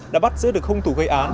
đã bắt giữ được hung thủ gây án